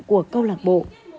của công lạc bộ